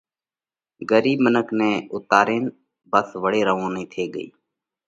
ڳرِيٻ منک نئہ اُوتارينَ ڀس وۯي روَونئِي ٿي ڳئِي۔